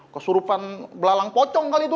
kesurupan belalang pocong kali itu